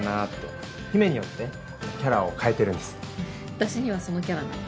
私にはそのキャラなの？